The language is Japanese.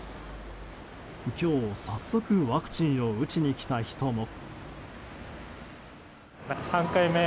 今日、早速ワクチンを打ちに来た人も。